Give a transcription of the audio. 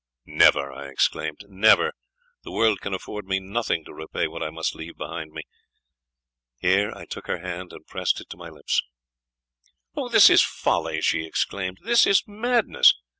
"Never!" I exclaimed, "never! the world can afford me nothing to repay what I must leave behind me." Here I took her hand, and pressed it to my lips. "This is folly!" she exclaimed "this is madness!"